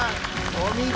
お見事！